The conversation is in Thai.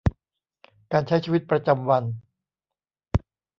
การใช้ชีวิตประจำวัน